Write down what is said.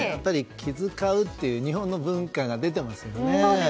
気遣うという日本の文化が出てますよね。